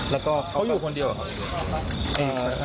แล้วก็เขาอยู่คนเดียวครับ